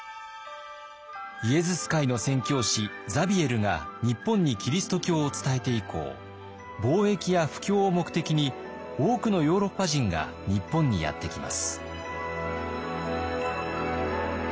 イエズス会の宣教師ザビエルが日本にキリスト教を伝えて以降貿易や布教を目的に多くのヨーロッパ人が日本にやって来ます。